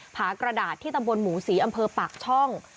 ผากระดาษที่ตำบลหมูศรีอำเภอปากช่อง